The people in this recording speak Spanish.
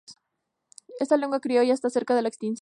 Esta lengua criolla está cerca de la extinción.